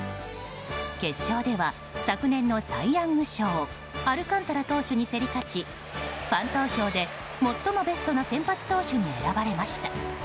決勝では昨年のサイ・ヤング賞アルカンタラ投手に競り勝ちファン投票で最もベストな先発投手に選ばれました。